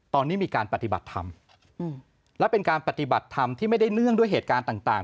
ตอนนี้มีการปฏิบัติธรรมและเป็นการปฏิบัติธรรมที่ไม่ได้เนื่องด้วยเหตุการณ์ต่าง